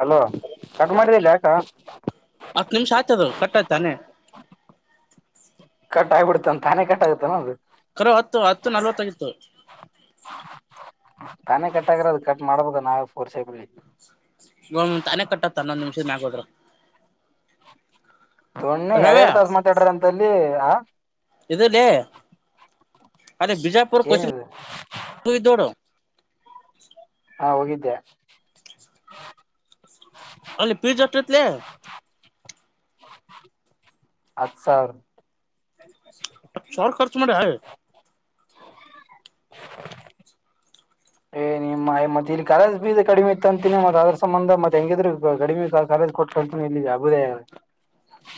Hello cut ಮಾಡಿದಲ್ಲ ಯಾಕ್. Last ಹತ್ತು ನಿಮಿಷ ಆಯ್ತದು ಕಟ್ಟಾಯ್ತಾನೆ. ಕಟ್ ಆಗ್ಬಿಡ್ತಂತ ತಾನೆ ಕಟ್ ಆಗುತ್ತೇನ ಅದು. ಕರೋ ಹತ್ತು ಹತ್ತು ನಲ್ವತ್ತಾಗಿತ್ತು. ತಾನೇ ಕಟ್ ಅದರಿ ಕಟ್ ಮಾಡಬೇಕ್ ನಾವ ಫೊರ್ಸೇಬಲಿ. ಗೋ ಒಮ್ಮಮ್ಮ ತಾನೇ ಕಟ್ಟತ್ತ ಅನ್ನೊಂದ್ ನಿಮಿಷದ ಮ್ಯಾಗ ಹೋದ್ರ. [unintelligible] ಯಾಡ್ ಯಾಡ್ ತಾಸ ಮಾತಾಡ್ರ ಅಂತ ಅಲ್ಲಿ. ಹ ಇದು ಲೆ ಅದೇ ಬಿಜಾಪುರ ಕೋಚಿಂಗ್ ಏನಿದು ಹೋಗಿದ್ವಿ ನೋಡು. [unintelligible] ಹಾ ಹೋಗಿದ್ದೆ. ಅಲ್ಲಿ ಪಿಜ್ ಎತ್ತಿತ್ಲೆ. ಹತ್ತ ಸಾವ್ರ. ಹಾ ಸಾವ್ರ ಖರ್ ಮಾಡ ಎ ಏ ನಿಮ್ಮ ಆಯಿ ಮತ್ ಇಲ್ಲಿ ಕಾಲಜ ಫೀಸ್ ಕಡಿಮೆ ಇತ್ತ ಅಂತೀನಿ ಮತ್ತ್ ಅದ್ರ ಸಂಬಂಧ ಮತ್ ಹೆಂಗಿದ್ರ ಕಡಿಮೆ ಕಾಲೇಜ್ ಕೊಟ್ಟಕೊಳ್ತೀನಿ ಇಲ್ಲಿ ಅಬದಯ.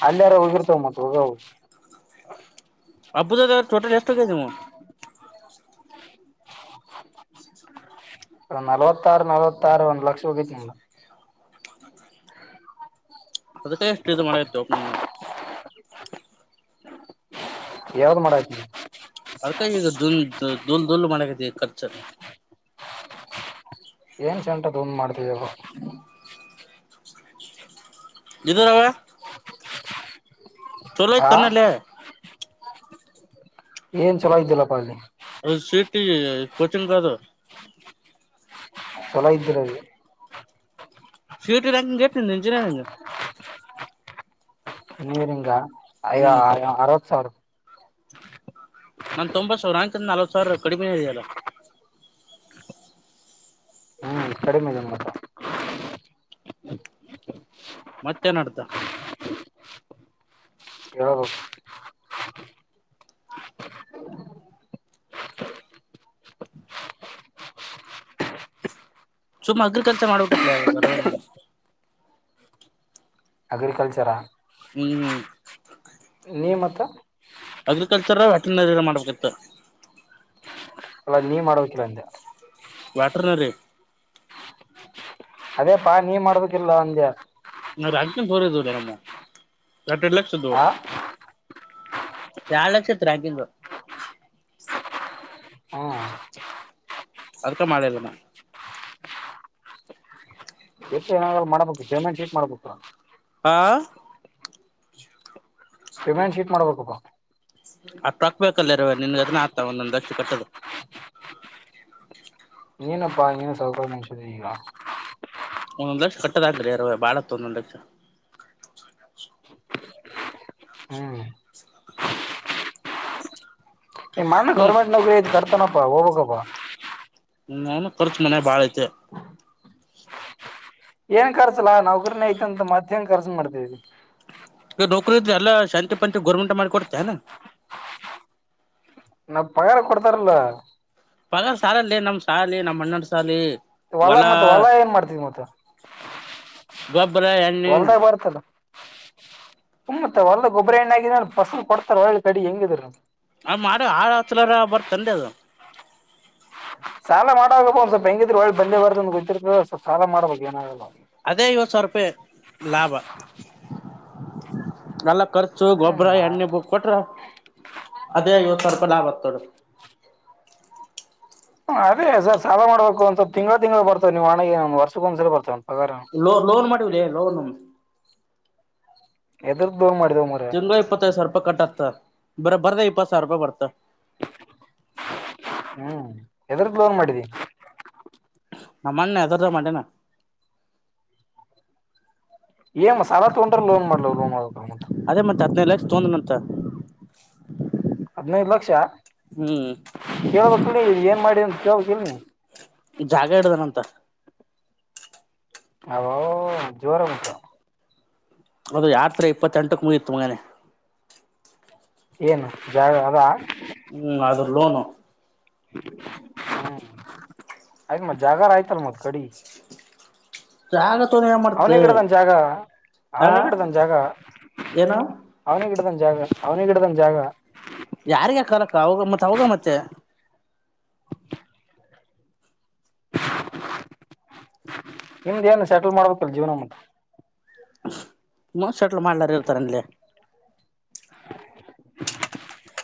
ಅಲ್ಲಯಾರ ಹೋಗಿರ್ತಾವ ಮತ್ ಹೋಗವು. [unintelligible] ಅಬೂದದ ಟೋಟಲ್ ಎಷ್ಟ ಆಗ್ಯದ ನಿಮ್ದ [unintelligible] ನಲವತ್ತಾರ ನಲ್ವತ್ತಾರ ಒಂದ್ ಲಕ್ಷ ಹೋಗೆತ್ ನಿಮ್ದ. ಅದಕ್ಕೆ ಇಷ್ಟು ಇದು ಮಾಡತಿ ಒಪ್ಪ ನೀ ನನ್ನ. ಯಾವ್ದ್ ಮಾಡತಿ. ಅದಕ ಈಗ ದುಲ್ ದುಲ್ ದುಲ್ ಮಾಡಾತಿ ಖರ್ಚು. ಏನ್ [unintelligible] ಡೂಂ ಮಾಡತಿದೆವೋ. ಇದು ರವ್ಯಾ. ಆ ಚಲೋತನ್ನಲ್ಲೆ ಏನ್ ಚಲೋ ಇದ್ದಿಲ್ಲಪ್ಪಾ ಅಲ್ಲಿ. ಸಿಟಿ ಕೊಚಿಂಗ್ ಅದು ತೊಲೈದರು ಶ್ಯೂರಿಟಿ ಬ್ಯಾಂಂಗಗೆತ ನಿ ಇಂಜಿನಿಯರಿಂಗ್ ನೀರಿಂಗ ಅಯ್ಯೋ ಹ್ಮ್ ಅಯ್ಯೊ ಅರವತ್ ಸಾವಿರ. ನಾ ತೊಂಬತ್ ಸಾವಿರ ಅಯಕಂದ ನಾವತ್ ಸಾವಿರ ಕಡಿಮೆ ಇದೆಯಲ್ಲ. ಹ್ಮ್ ಕಡಿಮೆದೆ ಮತ್ತ. ಮತ್ತೆನ ನಡ್ತ ಹೇಳ್ಬೇಕು. ಸುಮ್ಮ ಅಗ್ರೀಕಲ್ [unintelligible] ಅಗ್ರಿಕಲ್ಚರಾ. ಹ್ಮ್ ತ್ತ ಅಗ್ರಿಕಲ್ಚರ್ ವೆಟನರಿ ಎ ಮಾಡ್ಬೇಕಿತ್ತು. ಅಲ್ಲ ನೀವ್ ಮಾಡ್ಬೇಕಿಲ್ಲ ಅಂದೆ ವ್ಯಾಟರ್ನರಿ ಅದೇ ಪಾ ನೀವ್ ಮಾಡ್ಬೇಕಿಲ್ಲ ಅಂದೆ ಣ [unintelligible] ನಟೆಡ್ ಲಕ್ಷ ಇದ್ವು ಆ ಯಾಡ್ ಲಕ್ಷತ್ರಾಗಿ ಆಗಿಂದು ಹಾ ಅದಕ ಮಾಡಿಲ್ಲಾನ ಎಷ್ಟ ಎನಾಗಲ್ಲ ಮಾಡಬೇಕು ಪೇಮೆಂಟ್ ಇಟ್ ಮಾಡ್ಬೇಕು. ಆ ವಿಮ್ಯಾನ್ ಶೀಟ್ ಮಾಡ್ಬೇಕಪ್ಪಾ ಆ ಟೊಕ್ಬೇಕ ಅಲ್ಲರವೆ ನಿನ್ ಅದ್ನ ಅಕ್ದ ಒಂದೊಂದ್ ಲಕ್ಷ ಕಟ್ಟದು ಏನಪ್ಪಾ ನೀನ್ ಸೌಕರ ಮನ್ಶದಿ ಈಗ ಒಂದೊಂದ್ ಲಕ್ಷ ಕಟ್ಟದಕ್ರರಿ ಅರ ಬಾಳತ್ತ ಒಂದೊಂದ ಲಕ್ಷ ಹ್ಮ್ ಮಾಡ ಹ್ಮ್ ಗವರ್ಮಂಟ್ ನೌಕರಿ ಐತ್ ತನಪ್ಪ ಹೋಗ್ಬೇಕಪ್ಪಾ. ಹ್ಮ ನನ್ ಖರ್ಚು ಮನೆ ಬಾಳ ಐತೆ ಏನ್ ಕರ್ಸಲ್ಲಾ ನೌಕರನೇ ಐತ ಅಂತ ಮತ್ತ ನ್ ಕರ್ಸ ಮಾಡ್ತೇವಿ ಈಗ ನೌಕರಿ ಇದ್ರೆ ಎಲ್ಲ ಶಾಂತಿ ಪಂಚ ಗೋರ್ಮೆಂಟ್ ಮಾಡಿ ಕೊಡುತ್ತಾ ಏನ? ನಾವ ಪಗಾರ ಕೊಡ್ತಾರಲ್ಲ. ಪಗ ಸಾಲಲ್ಲಿ ನಮ್ ಶಾಲಿ ನಮ್ಮ್ ಅಣ್ಣರ್ ಸಾಲಿ ಹೊಲ ಮತ್ತೆ ಹೊಲ ಏನ್ ಮಾಡ್ತಿದ್ ಮತ್ತ? ಗೊಬ್ಬರ ಎಣ್ಣೆ ಹ ಮತ್ತ ಹೊಲ್ದಾಗ್ ಗೊಬ್ಬರ ಹೆಣ್ಣಾಗ ಫಸಲ್ ಕೊಡ್ತಾರ ಒಳ್ಳ ಕಡಿ ಹೆಂಗಿದರಿ ತಲಾರ ಬರ್ತನ್ರಿ ಅದು ಸಾಲ ಮಾಡುವಾಗ ಬನ್ ಬ ಸ್ವಲ್ ಹೆಂಗಿದ್ರು ಒಳ್ಳಿ ಬಂದ ಬರ್ದ ಗೊತ್ತಿರ್ಬೆಕ್ ಸ್ವಲ್ಪ್ ಸಾಲ ಮಾಡ್ಬೇಕ್ ಏನಾಗಲ್ಲ. ಅದೇ ಐವತ್ ಸಾವಿರ ರೂಪಾಯಿ ಲಾಭ ಅಲ್ಲ ಕರ್ ಚು ಗೊಬ್ಬ್ರ ಹ್ಮ್ ಎಣ್ಣೆ ಬುಕ್ ಕೊಟ್ರ ಅದೇ ಐವತ್ ಸಾವಿರ ರೂಪಾಯಿ ಲಾಭತ್ ತಡು ಅದೇ ಸರ್ ಸಾಲ ಮಾಡ್ಬೇಕು ಒಂದ್ ಸ್ವಲ್ಪ್ ತಿಂಗಳ ತಿಂಗಳು ಬರ್ತಾವ್ವ್ ನೀವ್ ವಣೆಗೆ ವರ್ಷಕ್ ಒಂದ್ಸಲ ಬರ್ತವ್. ಲೋ ಲೋನ್ ಮಾಡಿವ್ರಿ ಲೋನು ಎದುರು ತಿಂಗಳಿಗೆ ಇಪ್ಪತ್ತೈದು ಸಾವರ ರೂಪಾಯಿ ಕಟ್ ಆಗ್ತ ಬರ ಬರ್ದ ಇಪತ್ತು ಸಾವಿರ ರೂಪಾಯಿ ಬರ್ತಾ [inaudible] ಹ್ಮ್ ಎದರದ್ ಲೋನ್ ಮಾಡಿದೀ ನಮ್ಮಣ್ಣ ಎದುರೊದೊ ಮಾಡನಾ ಏನ್ ಸಾಲ ತಗೊಂಡ್ರ ಲೋನ್ ಮಾಡ್ಲವ್ ಲೋನ್ ಮಾಡಬೇಕ ಹದಿನೈದು ಲಕ್ಷ ತಕೊಂಡಂನಂತ ಹದ್ನೈದು ಲಕ್ಷ ಹ್ಮ್ ಕೇಳಬೇಕಿ ಏನ್ ಮಾಡಿ ಅಂತ [unintelligible] ನಿ ಜಾಗ ಇಡಿದಾನಂಥ ಓಹೋ ಜೋರ ಉಂಟ ಹೌದು ಯಾತ್ರೆ ಇಪ್ಪತ್ತ ಎಂಟಕ್ ಮುಗಿತ್ತು ಮಗನೆ ಏನು ಜಾಗ ಅದ ಹ್ಮ್ ಅದು ಲೋನು ಹ್ಮ್ ಆಯ್ತು ಮತ್ ಜಾಗರ ಆಯ್ತಲ್ ಮತ್ ಕಡಿ ಜಾಗ ತೊಂದ ಏನ್ ಮಾಡ್ತ ಅವನಿ ಗಿಡ್ದನ್ ಜಾಗ ಆ ಅವನಿ ಗಿಡ್ದದನ್ ಜಾಗ ಏನು ಅವನಿ ಗಿಡ್ದದನ ಜಾಗ ಜಾಗ ಅವನಿಗೆ ಇಡಿದನ ಜಾಗ ಯಾರಿಗೆ ಕಲಕ್ಕ ಹೌದು ಮತೆ ಹೌದು ಮತ್ತೆ ನಿಮ್ದ ಏನು ಸೆಟಲ್ ಮಾಡಬೇಕಲ್ಲ ಜೀವನ ಮುಖ ಹ್ಮ ಸೆಟ್ಲ್ ಮಾಡ್ಲಾರ ಇರ್ತಾರೆಂಲೇ [inaudible]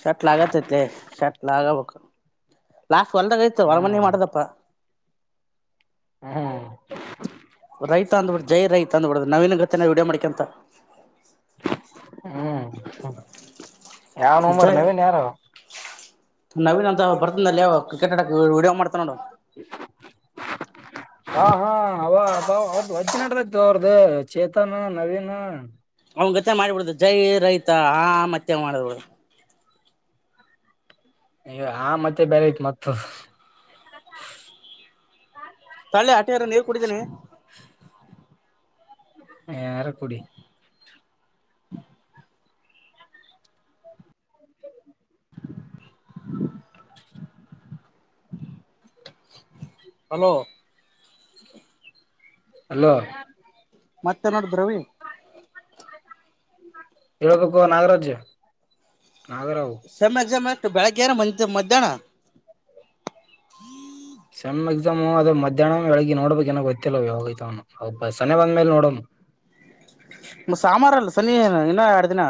ಶರ್ಟ್ಲ್ ಆಗತ್ತೈತ್ಲೆ, ಶರ್ಟ್ಲ್ ಆಗಬೇಕು ಲಾಸ್ಟ್ ಹೊಲ್ದಾಗೈತ್ ಹೊರಮನೆ ಹ್ಮ್ ಮಾಡದಪ್ಪ. ಹ [inaudible] ರೈತ ಅಂದುಬಿಡೋದು, ಜೈ ರೈತ ಅಂದುಬಿಡೋದು ನವಿನಗ. ವಿಡಿಯೋ ಮಾಡಿಕಂತ ಹ್ಮ್ ಯಾವ್ ನೋಮರ್ ಜೈ ನವೀನ್ ಯಾರು ನವೀನ್ ಅಂತ ಬರ್ದತಿದನಲ್ಲೇ ಅವ. ವಿಡಿಯೋ ಮಾಡ್ತಾನೆ ನೋಡು. ಹಾ, ಹಾ ಅವ ಅಬ್ಬ ಅವ್ರ್ದ ವಜ್ಜ ನಡದ್ತ ಅವ್ರ್ದ ಚೇತನ್, ನವೀನು. ಅವನ ಜೊತೆ ಮಾಡಿಬಿಡ್ದು ಜೈ ರೈತ ಆ ಮತ್ತೆ ಮಾಡ್ಬುದು. ಯ ಹಾ, ಮತ್ತೆ ಬೇರೆ ಐತೆ ಮತ್ ಅದು. ತಳೆ ಅಟೆ ಇರು ನೀರು ಕುಡಿತಿನಿ. ಏನಾರ ಕುಡಿ.. ಹ್ಮ [inaudible] [unintelligible] [unintelligible] ಹಲೋ, ಹಲೋ, ಮತ್ತೇನ ನಡದದರವಿ. ಹೇಳಬೇಕು ನಾಗರಾಜು. ನಾಗರಾವು,, ಬೆಳಗ್ಗೆ ಯಾರ ಮ ಮಧ್ಯಾಹ್ನ, ಸೆಮ್ ಎಕ್ಸಾಮು ಅದ ಮಧ್ಯಾಹ್ನ ಬೆಳಗ್ಗೆ ನೋಡ್ಬೇಕಕ್ ನ ಗೊತ್ತಿಲ್ಲ. ಅವುಸನೆ ಬಂದ ಮೇಲೆ ನೋಡೋನು. ಸಾಮಾರಲ್ಲ ಸನಿ ಇನ್ನ ಎರಡು ದಿನ.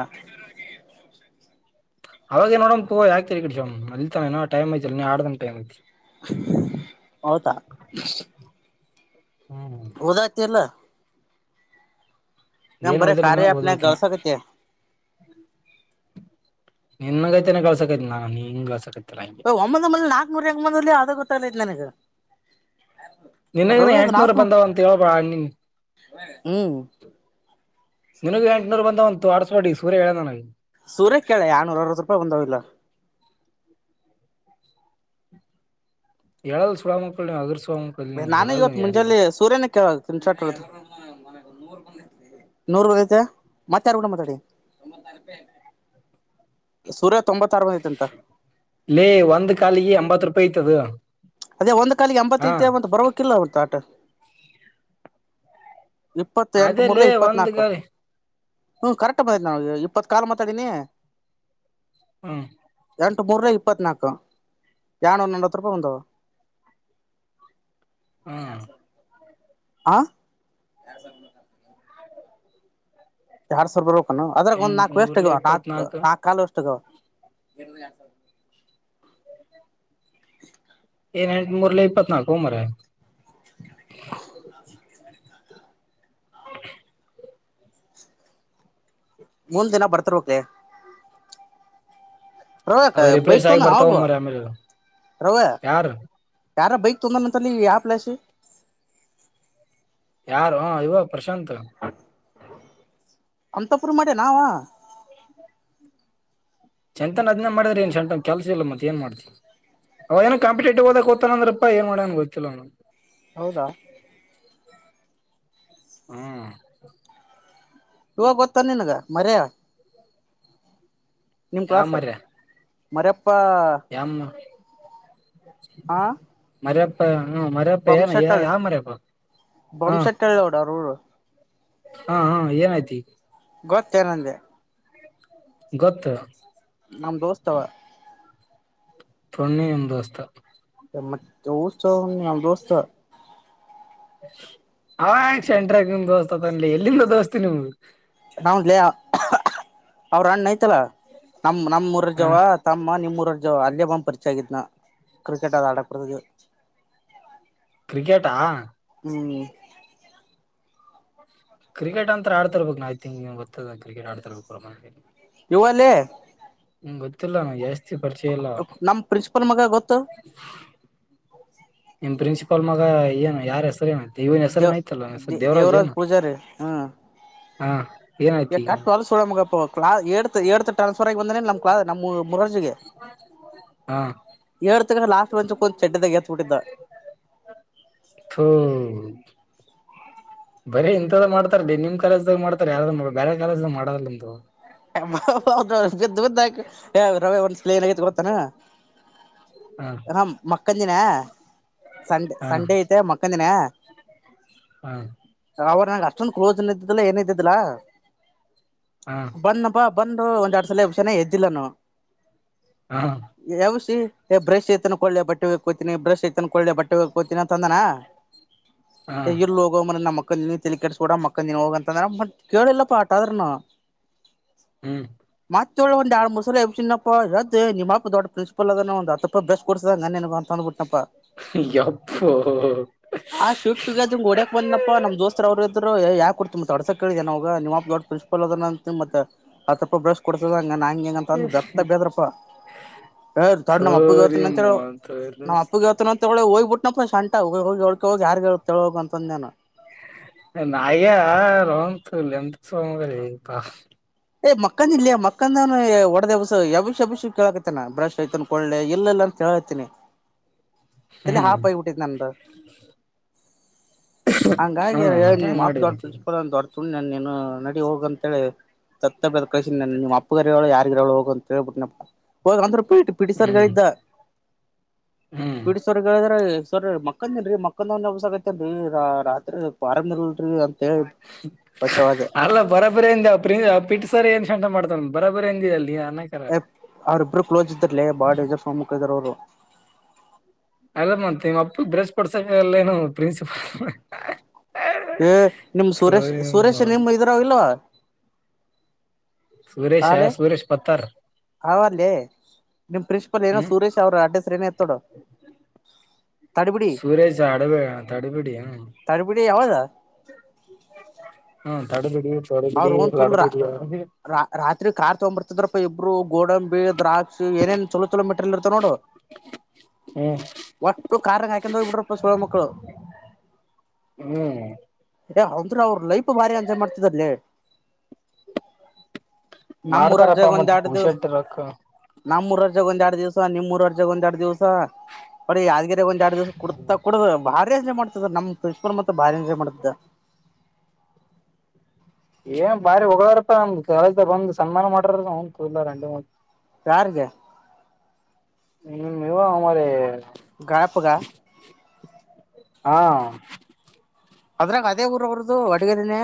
ಅವಾಗೆ ನೋಡಂ ತಗಯಾಕತಲಿಕೆಡ್ಸಂರಿ, ಕಡ್ ಮಲ್ತಾನ ಟೈಮ್ ಐತ್ರಿ ಇನ್ನ ಎರಡ ದಿನ ಟೈಮ್ ಐತ್ರಿ. ಹೌದಾ, ಹ್ಮ, ಒದತಿಲ್ಲ, ನಮ್ಮ ಏನ್ ಬರ ಓದಿಲ್ಲ ಕಾರ್ಯನ ಓದ್ಬೇಕಿನ ಗಳಸಕತ್ತ., - ನಿನ್ಗೈತೆನೆ ಗಳ್ಸಕೈತಿ ನಾನ ನೀನ್ಹೆಂಗ ಕಳ್ಸಕೈತಿ. ಒಂಬಂದ ಒಮೇಲಿ ನಾಕಕ್ನೂಹೆಂಗ, ಗೋ [unintelligible] ತ್ತಲ್ಲ ಇಲ್ಲ ನಿಗೆ ನಿನ್ಗನ ಎಂಟನೂರ ಬಂದಾವ ಅಂತ ಹೇಳಳ್ಬಳ [unintelligible] ಅಣ್ಣಿ ಹ್ಮ್ ನಿನಗೆ ಎಂಟುನೂ ಬಂದ ಒಂತ ತ ಆಡ್ಸ್ಬಡಿ ಸೂರ್ಯ ಹೇಳ ನನಗ. ಸೂರ್ಯ ಕೇಳ ಎರಡನೂರ ಅರವತ್ತು ರೂಪಾಯಿ ಬರ್ತಾ ವಿಲ್ಲ. ಎಲ್ಲ ಸುಡ ಮಕ್ಕಳು ನೀವು ಅದರ್ [unintelligible] ನಾನು ಇವತ್ತು ಮುಂಜೆನೆ ಸೂರ್ಯನೆ ಕೇಳ ಸ್ಕ್ರಿನ ಶಾಕ್, ನೂರ್ ಬಂದಐತೆ ಮತ್ತ ಯಾರ್ ಗೂಡ ಮಾತಾಡಿ. ಸೂರತ್ [inaudible] ಲ ಒ ಕ ಎ ರೂ [inaudible] ಪೈತದ [unintelligible] ಅದೇ ಒಂದ್ ಕಾಲಿಗೆ ಎಂಬತ್ ಐತಿ ಮತ್ ಬರಬೇಕಕ್ಕಿಲ್ಲ ಒಂತ ಆಟ, ಇಪ್ಪತ್ ಎಂಟ ಅದೇ ಮೂರ್ಲ ಲೇ ಒಂದ್ ಇಪ್ಪನಾಲ್ಕು ಕಾಲಿ ಹ್ಮ ಕರೆಕ್ಟ್ ಬೈತಿ ನಾ ಇಪ್ಪತ್ ಕಾಲ್ ಮಾತಾಡೀನಿ ಹ್ಮ್ ಎಂಟು ಮೂರ ಇಪ್ಪತ್ನಾಲ್ಕು ನ ಒಂದು ನವತ್ತು ರೂಪಾಯಿ ಒಂದಾ ಅ ಹ್ಮ್ ಎರಡು ಸಾವಿರ ಆ ಯಸ ಎರಡು ಸರ್ವರೋ ಅದ್ರಾಗ ಎಂಟ್ ಒಂದ್ಾಲ್ಕು ಮೂರ್ಲೆ ವಷ್ಟಗವ ನಾಕಕ್ ಇಪ್ಪತ್ನಾಲ್ಕು ನಾಕ ಕಾಲ್ ವೇಸ್ಟ್ ಆಗುವ [unintelligible] ಹೇ ಏನ್ ಎಂಟ ಮೂರ್ಲ ಇಪ್ಪನಾಲ್ಕು ಮಾರಾಯ [unintelligible] [inaudible] ಮುಂದ ದಿನ ಬರ್ತರ್ಕೆ ಅದ ಬೈಕ್ ರಿಫ್ರೆಷ್ ಆಗಿ ತೊಂದಾನ ಬರ್ತಾವ ಒಬ್ಬ ಮರಿ ಆಮೇಲೆ ಯಾರು ಯಾರೋ ಬೈಕ್ ತೊಂದರೆ ನಂತಲ್ಲಿ ಯಾಪ್ಲಸ ಯಾರು ಹ ಇವ ಪ್ರಶಾತ್ ಅಂತಪುರ ಮಾಡ ನಾವ ಚಂತನ್ ಅದ್ ಮಾಡಿದ್ರ ನ್ ಚೆಂತನ್ ಕೆಲ್ಸ ಇಿಲ್ಲ ಮತ್ತತ್ ನ್ ಮಾಡ್ತತಿವಿ ಅವ ಏನ ಕಂಪಿಟೇಟಿವ್ ಅದಾಗ ಓತಾನ ಅಂದ್ರಪ್ಪ ಏನ್ ಮಾಡನ್ ಗೊತ್ತಿಲ್ಲ ನ ಹೌದಾ ಹ್ಮ ಇವ ಗೊತ್ತಾ ನಿನ್ಗ ಮರ್ಯ ನಿಮ್ ಯಾವ ಕ್ಲಾಸ ಮರ್ಯಾ ಮರ ಅಪ್ಪ ಯಾಮ್ ಹಾ ಹಾ ಹಾ ಮರ ಪಪ್ಪ ಯನ ಯ ಯ ಬೊಮ್ಶೆಟ್ಟಳ್ಳಿ ಮರಪ ಹಾ ಬೊಮ್ಶೆಟ್ಟಳ್ಳಿ ನೋಡ ಅವ್ರ ಊರು ಹಾ ಹಾ ಏನಯ್ತಿ ಗೊತ್ತೇ ಏನುವಂಡೆ ಗೊತ್ತು ನಮ್ ದೋಸ್ತಾವ ತೊಣ್ಣಿ ಇಂಡೋನ್ಸ ಮತ್ತೆ ಉತ್ಸವ ಹಾವ ದೋಸ್ತ ಅವ ಶಂಟ್ರಾಗ ನಿಮ ದೋಸ್ತ ತನ್ಲಿ ಎಲ್ಲಿಂದ ದೋಸ್ತಿ ನಿಮ್ಗೆ ನಾನು ಲೀ ಅವರು ಅಣ್ಣ ಆಯ್ತು ಅಲ್ಲ ನಮ್ಮ್ ಹ ನಮ್ಮ್ಊರಜವ ತಮ್ಮ ನಿಮ್ಮ ಊರಜ ಅಲ್ಲಿಯ ಬಂಬ್ ಪರಿಚಯ ಆಗಿದನಾ ಕ್ರಿಕೆಟ್ ಆದದು ಆಡಕ್ಡ ಕ್ರಿಕೆಟಾ ಹ್ಮ್ ಕ್ರಿಕೆಟ್ ಅಂತ ಆಡ್ತರ್ಬೇಕು ನ್ಂಗ ಗೊತ್ತ ಕ್ರಿಕೆಟ್ ಆಡ್ತರ್ಬೇಕು ಇವಲ್ಲಿ ಹ್ಮ್ ಗೊತ್ತಿಲ್ಲಾ ಜಾಸ್ತಿ ಪರಿಚಯ ಇಲ್ಲ ನಮ್ಮ್ ಪ್ರಿನ್ಸಿಪಲ್ ಮಗ ಗೊತ್ತು ನಿಮ್ಮ ಪ್ರಿನ್ಸಿಪಲ್ ಮಗ ಏನು ಯಾರ ಹೆಸರು ಏನು ಇವನ್ ದೇವ ಹೆಸರೇನ ಐತಲ್ಲ ಹೆಸರು ದೇವ್ ದೇವರಾಜ್ ಪೂಜಾರಿ ಹ್ಮ್ ಹಾ [unintelligible] ಏನಾಯ್ತಿ ಈಗ ಎರಡ್ತಾ ಎರಡ್ತಾ ಟ್ರನ್ಸ್ಫರ್ ಆಗಿ ಬಂದೆ ನಮ್ಮ ನಮ್ ಮುರಜಿಗೆ ಹಾ [inaudible] ಏಳ್ ತಕ್ಕ ಲಾಸ್ಟ್ ಬೆಂಚಳ್ಳಿ ಒಂದು ಚಡ್ಡಿದಾಗ ಎತ್ಬಿಟ್ಟಿದ್ದ ಬರೇ ಇಂಥದ ಮಾಡ್ತಾರಲಿ ನಿಮ್ ಕಾಲೇಜ್ದಾಗ ಮಾಡ್ತಾರ ಯಾರಾದ ಬೇರೆ ಕಾಲೇಜ್ದಾಗ ಮಾಡಾರಲ್ಲಂತ [unintelligible] ಬಿದ್ದ ಬಿದ್ದಾಕ ರವೆ ಒಂದ್ಸಲ ಏನಾಗತ್ ಗೊತ್ತಾನ ಹಾ ನನ್ ಮಕ್ಕಂದಿನ ಸಂಡೆ ಹಾ ಸಂಡೆ ಐತೆ ಹಾ [unintelligible] [unintelligible] ಕ್ಲೋಸ್ನ್ ಇದ್ದಿದ್ದಿಲ್ಲ ಏನ ಇದ್ದಿದ್ದಲ ಹಾ ಬಂದಪ್ಪಾ ಬಂದ್ ಒಂದ್ ಎರಡ್ ಸಲ ಎಬ್ಬಿಸನ ಎದ್ದಿಲ್ಲನು ಹಾ ಎಬ್ಬಿಸಿ ಬ್ರಷ್ ಐತನ ಕೊಳ್ಳೆ ಬಟ್ಟೆ ಹೋಗಿಯೋಕೆ ಹೋಗತೀನಿ ಬ್ರಷ್ ಐತನ್ ಕೊಳ್ಳೆ ಬಟ್ಟೆ ಹೋಗಿಯೋಕೆ ಹೋಗತೀನಿ ಅಂತಂದನ ಹಾ ಹೇಯ್ ಇಲ್ ಹೋಗೋ ನನ್ ಮಾಕೋ ನೀನು ಏನು ತಲೆ ಕೆಟ್ಸಕೊಡ ಮಕ್ಕಂದಿನಿ ಹೋಗ ಅಂತ ಅಂದ್ರ ಕೇಳಲಿಲ್ಲಾಪ್ಪ ಅಟ್ಟ ಆದ್ರುನು ಹ್ಮ್ ಮತ್ತೆ ಏಳು ಒಂದು ಎರಡು ಮೂರು ಸಾಲ ಎದ್ದಿಸಿನಪ್ಪ ನಿಮ್ಮ ಅಪ್ಪ ದೊಡ್ಡ ಪ್ರಿನ್ಸಿಪಾಲ್ ಅದನಾ ಒಂದು ಹತ್ತು ರೂಪಾಯಿ ಬ್ರಶ್ ಕೊಡಿಸನೆ ನಿನಗೆ ಅಂತ ಅಪ್ಪ ಯಪ್ಪೋ [inaudible] ಆ ಸಿಟ್ಟಿಗೆ ಹೊಡಿಯೋಕೆ ಬಂದ್ನಪ್ಪ ನಮ್ ದೋಸ್ತ್ರ ಅವರು ಅಂತ ಬ್ರೋ ಯಾರ್ [unintelligible] ಕೇಳಿದೀಯಾ ನಿಮ್ಮ ಅಪ್ಪ ದೊಡ್ಡ ಪ್ರೈನ್ಸಿಪಾಲ್ ಅದನ ಹತ್ತು ರೂಪಾಯಿ ಬ್ರಶ್ ಕೊಡ್ತದ ನಂಗಂಗಂತ ಬೆತ್ತ ಬೇದ್ರಪ್ಪ [inaudible] ತಾಡಿ ನಮ್ಮ ಅಪ್ಪಗೆ ತೋರಿ ಹೇಳಿತಿನಿ ಅಂತ ಮತೋರಿ ನಮ್ಮ ಅಪ್ಪಗೆನ ಅಂತ ಹೇಳಿ ಹೋಗ್ಬಿಟ್ಟು [unintelligible] ಹೋಗಿ ಹೇಳಿಕೊ ಹೋಗಿ ಯಾರಿಗೆ ಹೇಳ್ತಿ ಹೋಗು ಅಂತ ಹೇಳಿದೆ ನಾನು [unintelligible] [unintelligible] ಹೇಯ್ ಮಕ್ಕಂದ ಇಲ್ಲಿಯ ಮಕ್ಕಂದಾನ ಹೊಡೆದು ಎಬ್ಬಿಸಿ ಎಬ್ಬಿಸಿ ಎಬ್ಬಿಸಿ ಕೇಳಕತನ ಬ್ರಶ್ ಐತನ್ ಕೊಡ್ಲೆ ಇಲ್ಲ ಇಲ್ಲ ಅಂತ ಹೇಳತೀನಿ ತಲೆ ಹ್ಮ್ ಹಾಪ ಆಗಿಬಟ್ಟಿದೇ ನಂದು [inaudible] ಹಂಗ್ ಹಾಗಿ ಹ್ಮ್ ಹೇಳೀನಿ ನಾನ್ ಮತ್ತೆ ಹೆಂಗ್ ನಿಮ್ಮ ಮಾಡಿ ದೊಡ್ಡ ಮತ್ತ ಪ್ರಿನ್ಸಿಪಾಲ್ ದೊಡ್ಡ ಸುಮ್ನೆ ನೀನು ನೇಡಿ ಹೋಗ ಅಂತೇಳಿ ತತ್ತ ಬೈದು ಕಳಿಸಿನಿ ನಿಮ್ಮ ಅಪ್ಪಗರ ಹೇಳೋ ಯಾರಿಗರವಳು ಹೋಗ ಅಂತ ಹೇಳಿಬಿಟ್ಟನ ಹೋಗ ಅಂದ್ರೆ [unintelligible] ಪಿಟಿ ಸರ್ ಗೆ ಹ್ಮ್ ಹೇಳಿದ ಹ್ಮ್ ಪಿಟಿ ಸರ್ ಗೆ ಹೇಳಿದ್ರೆ ಸರ್ ಮಕ್ಕಂದ ನ್ರಿ ಮಕ್ಕಂದ ಅವನ್ಸ ಎಬ್ಬಿಸಾಕ ರಾತ್ರಿ [inaudible] ಬಚಾವಾದೆ ಅಲ್ಲ ಬರಬರಿ ಪಿಟಿ ಸರ್ ಏನ್ ಮಾಡ್ತಾನ ಬರಬರೀ ಅಡಿಯಲ್ಲಿ ಅವ್ರರಿಬ್ರು ಕ್ಲೋಸ್ ಇದರ್ಲ ಬಾಳಜ ಸಮುಖ ಇದಾರ ಅವ್ರು ಅಲ್ಲ ಮತ್ ನಿಮ್ಮ್ ಅಪ್ಪ ಬ್ರಶ್ ಕೊಡಿಸಕ್ಕ ಆಗಲೇನು ಪ್ರಿನ್ಸಿಪಾಲ್ ಏ ನಿಮ ಸುರೇಶ್ ಸುರೇಶ್ ನಿಮ್ಮ್ ಇದ್ರಗ ಇಲ್ವಾ ಸುರೇಶ ಆಲೆ ಸುರೇಶ್ ಪತ್ತಾರ್ ಅವ ಅಲ್ಲೇ ನಿಮ್ ಪ್ರಿನ್ಸಿಪಾಲ್ ಏನೋ ಹ್ಮ್ ಸುರೇಶ್ ಅವ್ರ ಅಡ್ರೆಸ್ ಏನೋ ಇಟ್ಟು ನೋಡು ತಡಿಬಿಡಿ ಸುರೇಶ್ ಅಡುಡ ತಡುಪಿಡಿಯ ತಡಿಬಿಡಿ ಯಾವದ ಹಾ ತಡೆಬಿಡಿ ಅವ್ರ ನ್ ತುಲ್ರ ರಾತ್ರಿ ಕಾರ್ ತಗೊ ಬರ್ತದ್ರಪ್ಪ ರು ಗೋಡಂಬಿ ದ್ರಾಕ್ಷಿ ಏನೇನ್ ಚಲೋ ಚಲೋ ಮೀಟ್ರಲ್ಲಿ ಇರ್ತ ನೋಡು ಹ್ಮ್ ಒಟ್ಟು ಕಾರ್ ಹಾಕೊಂಡ ಹೋಗಬಿಟ್ರಪ್ಪ ಸೋಳೆ ಮಕ್ಕಳು ಹ್ಮ್ ಅಂದ್ರೆ ಅವ್ರ ಲೈಫ್ ಭಾರಿ ಎಂಜಾಯ್ ಮಾಡ್ತಿದಾರೆ ಲೈ ನಮ್ಮೂರರ್ ಮಾಡ್ತಾರಪ್ಪಾ ಜಾಗ ಒಂದು ಮತ್ ಎರಡು ದಿವಸ ಪುಗ್ಸೆಟ್ಟ ರೊಕ್ಕ ನಮ್ಮೂರುರ್ ಒಂದ ಎಡು ದಿವಸ ನಿಮ್ಮೂರು ಅರ್ಜ ಒಂದ ಎಡು ದಿವಸ ಅವೀ ಯಾದ್ಗಿ ಒಂದ್ ಎರಡು ದಿವಸ ಕುಡತಾ ಕುಡುದು ಬ [unintelligible] ಭಾರಿ ಎಂಜ್ರೆ ಮಾಡ್ತಿದ್ದ ಏನ್ ಬಾರಿ ಹೊೋಗಳಾರತ ಒಂದ ಕಳ ಬಂದ್ ಸನ್ಮಾನ ಮಾಡಾರ [unintelligible] ಯಾರಿಗೆ ಹ್ ಇವ ಅಮರಿ ಗಣಪಗ ಹಾ ಅದ್ರಾಗ ಅದೇ ಊರ ಅವರ್ದು ಒಡಗರಿನ